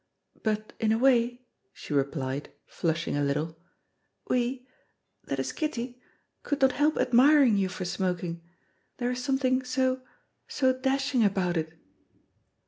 "But in a way," she replied, flushing a little, "we that is, Kitty could not help admiring you for smoking. There is something so so dashing about it."